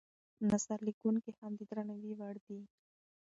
نثر لیکونکي هم د درناوي وړ دي.